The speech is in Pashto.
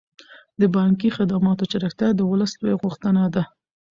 د بانکي خدماتو چټکتیا د ولس لویه غوښتنه ده.